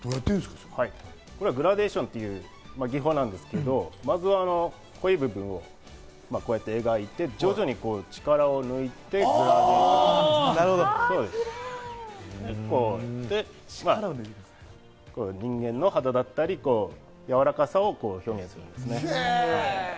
グラデーションという技法ですけど、まずは濃い部分をこうやって描いて、徐々に力を抜いて人間の肌だったり、やわらかさを表現するんですね。